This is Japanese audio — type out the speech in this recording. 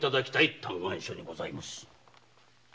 嘆願書にございます。